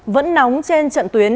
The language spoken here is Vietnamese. vẫn nóng trên trận tuyến